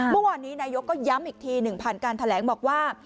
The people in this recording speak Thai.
เมื่อวานนี้นายกก็ย้ำอีกทีหนึ่งผ่านการแถลงบอกว่า